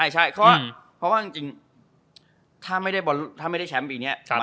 ใช่เพราะว่าจริงถ้าไม่ได้แชมป์ปีนี้